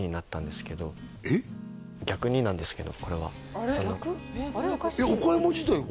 逆になんですけどこれは岡山時代は？